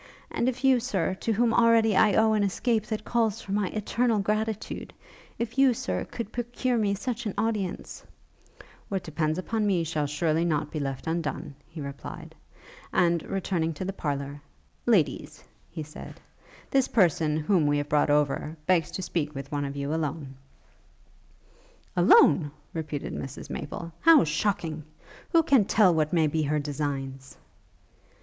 And if you, Sir, to whom already I owe an escape that calls for my eternal gratitude, if you, Sir, could procure me such an audience ' 'What depends upon me shall surely not be left undone,' he replied; and, returning to the parlour, 'Ladies,' he said, 'this person whom we have brought over, begs to speak with one of you alone.' 'Alone!' repeated Mrs Maple, 'How shocking! Who can tell what may be her designs?'